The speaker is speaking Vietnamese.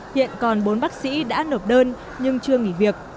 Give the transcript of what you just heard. hiện còn bốn bác sĩ đã nộp đơn nhưng chưa nghỉ việc